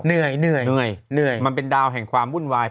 เหนื่อยมันเป็นดาวแห่งความวุ่นวาย